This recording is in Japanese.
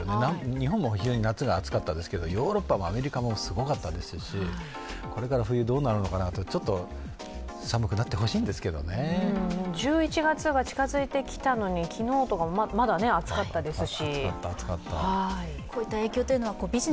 日本も非常に夏が暑かったですけどヨーロッパもアメリカもすごかったですしこれからどうなるんだろうって１１月が近づいてきたのに、昨日とかもまだ暑かったですし。